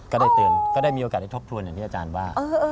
ก็ได้เตือนก็ได้มีโอกาสได้ทบทวนอย่างที่อาจารย์ว่า